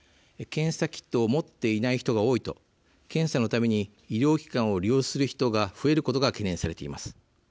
検査キットを持っていない人が多いと検査のために医療機関を利用する人が増えることが懸念されています。